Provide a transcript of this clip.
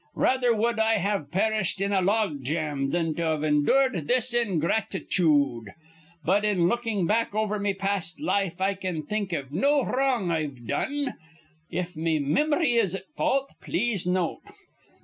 Rather wud I have perished in a logjam thin to've indured this ingratichood. But, in lookin' back over me past life, I can think iv no wrong I've done. If me mim'ry is at fault, please note.